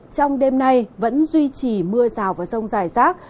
trong đêm nay vẫn duy trì mưa rào và rông dài rác